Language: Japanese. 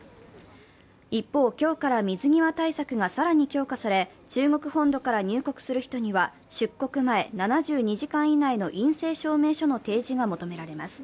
一方、今日から水際対策が更に強化され中国本土から入国する人には出国前７２時間以内の陰性証明書の提示が求められます。